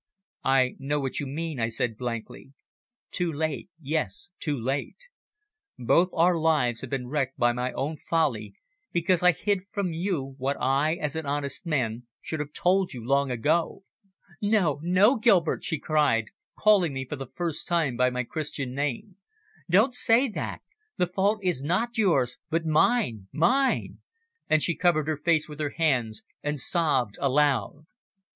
"I know what you mean," I said blankly. "Too late yes, too late. Both our lives have been wrecked by my own folly because I hid from you what I as an honest man, should have told you long ago." "No, no, Gilbert," she cried, calling me for the first time by my Christian name, "don't say that. The fault is not yours, but mine mine," and she covered her face with her hands and sobbed aloud.